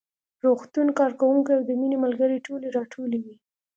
روغتون کارکوونکي او د مينې ملګرې ټولې راټولې وې